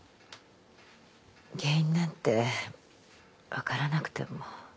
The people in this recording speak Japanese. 原因なんて分からなくても。